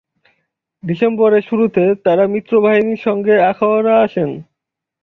ডিসেম্বরের শুরুতে তারা মিত্রবাহিনীর সঙ্গে আখাউড়া আসেন।